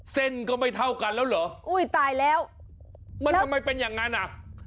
เส้นก็ไม่เท่ากันแล้วเหรอมันทำไมเป็นอย่างนั้นอ่ะ